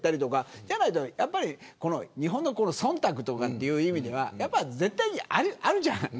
そうじゃないと日本の忖度とかっていう意味ではやっぱり絶対にあるじゃん。